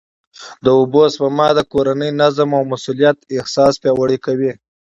د اوبو سپما د کورني نظم او مسؤلیت احساس پیاوړی کوي.